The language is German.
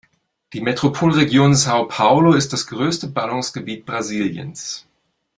Die Metropolregion São Paulo ist das größte Ballungsgebiet Brasiliens.